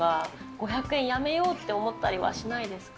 ５００円やめようって思ったりはしないですか？